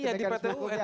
iya di pt un